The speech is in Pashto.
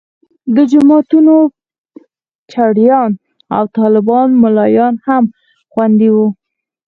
د جوماتونو چړیان او طالبان ملایان هم خوندي وو.